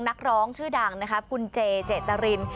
นักร้องชื่อดังนะคะคุณเจเจตริน